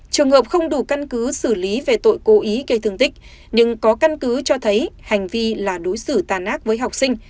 trường hợp không đủ căn cứ xử lý về tội cố ý gây thương tích nhưng có căn cứ cho thấy hành vi là đối xử tàn ác với học sinh